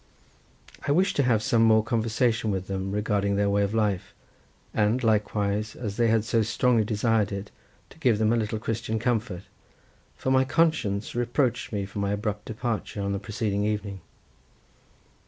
I wished to have some more conversation with them respecting their way of life, and, likewise, as they had so strongly desired it, to give them a little Christian comfort, for my conscience reproached me for my abrupt departure on the preceding evening.